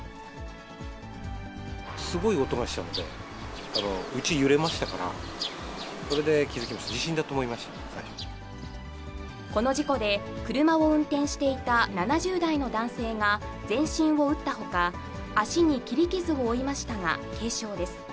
すごい音がしたんで、うち揺れましたから、それで気付きました、地震だと思いました、この事故で、車を運転していた７０代の男性が、全身を打ったほか、足に切り傷を負いましたが、軽傷です。